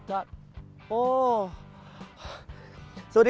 จ้อยจ้อย